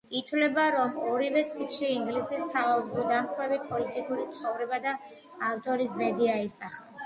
ითვლება, რომ ორივე წიგნში ინგლისის თავბრუდამხვევი პოლიტიკური ცხოვრება და ავტორის ბედი აისახა.